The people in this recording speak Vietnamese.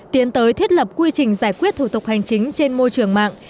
tiến tới thiết lập quy trình giải quyết thủ tục hành chính trên môi trường mạng